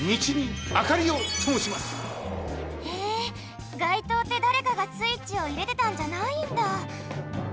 へえがいとうってだれかがスイッチをいれてたんじゃないんだ！